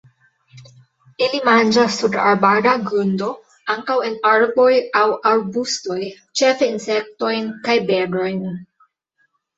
Ili manĝas sur arbara grundo, ankaŭ en arboj aŭ arbustoj, ĉefe insektojn kaj berojn.